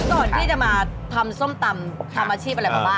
ก่อนที่จะมาทำส้มตำทำอาชีพอะไรมาบ้าง